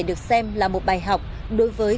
được xem là một bài học đối với